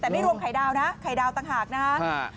แต่ไม่รวมไข่ดาวนะไข่ดาวต่างหากนะฮะ